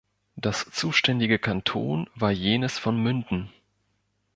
Das zuständige Kanton war jenes von Münden.